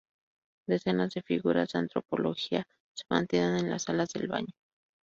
Decenas de figuras de antropología se mantienen en las salas del baño.